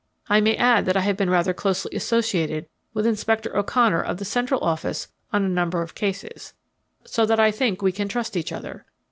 "I may add that I have been rather closely associated with Inspector O'Connor of the Central Office on a number of cases, so that I think we can trust each other.